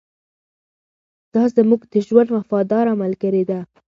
دا زموږ د ژوند وفاداره ملګرې ده.